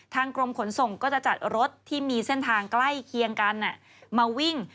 กรมขนส่งก็จะจัดรถที่มีเส้นทางใกล้เคียงกันมาวิ่ง